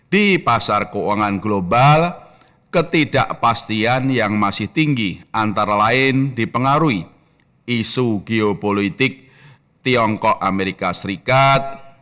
di pasar keuangan global ketidakpastian yang masih tinggi antara lain dipengaruhi isu geopolitik tiongkok amerika serikat